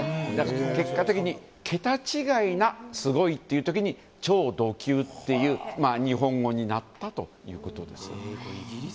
結果的に桁違いな、すごいという時に超ド級という日本語になったということです。